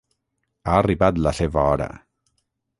Ha arribat la seva hora.